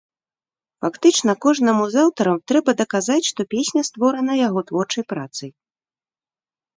Фактычна кожнаму з аўтараў трэба даказаць, што песня створана яго творчай працай.